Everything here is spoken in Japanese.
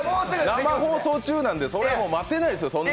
生放送中なんで、そんなに待てないですよ。